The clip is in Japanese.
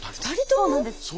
２人とも？